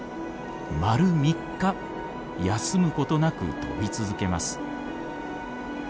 丸３日休むことなく飛び続けます。